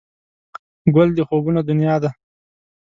ګل د خوبونو دنیا ده.